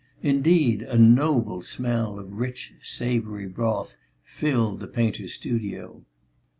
Indeed a noble smell of rich, savoury broth filled the painter's studio.